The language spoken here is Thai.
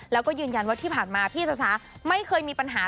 แล้วก็ยืนยันว่าที่ผ่านมาพี่สาวไม่เคยมีปัญหา